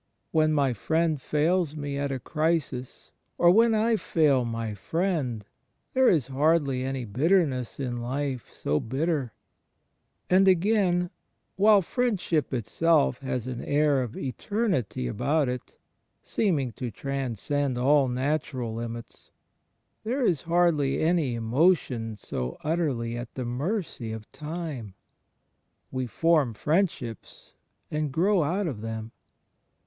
When my friend fails me at a crisis or when I fail my friend, there is hardly any bitterness in life so bitter. And, *I Cor. xiii. •••»•••''• CHBIST IN THE INTERIOR SOUL 5 again; while friendship itself has an air of eternity about it, seeming to transcend all natural limits, there is hardly any emotion so utterly at the mercy of time. We form friendships, and grow out of them.